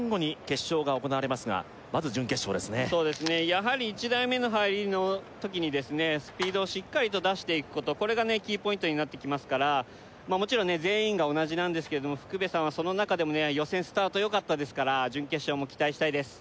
やはり１台目の入りの時にスピードをしっかりと出していくことこれがキーポイントになってきますからもちろん全員が同じなんですけれども福部さんはその中でも予選スタートよかったですから準決勝も期待したいです